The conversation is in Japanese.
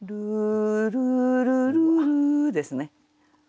「ルルル」ですね。